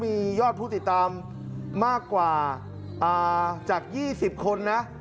มียอดผู้ติดตามมากกว่าจาก๒๐คนนะ